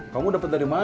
kamu dapet dari mana